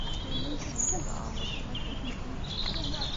Yella yessefk ad aɣeɣ weltma-twent.